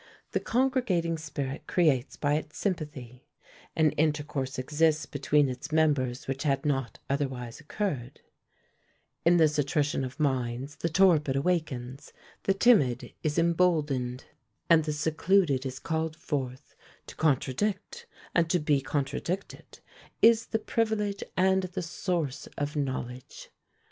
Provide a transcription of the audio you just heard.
The congregating spirit creates by its sympathy; an intercourse exists between its members which had not otherwise occurred; in this attrition of minds, the torpid awakens, the timid is emboldened, and the secluded is called forth; to contradict, and to be contradicted, is the privilege and the source of knowledge.